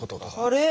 あれ？